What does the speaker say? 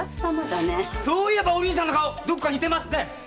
そういえばお凛さん菩薩様にどっか似てますね。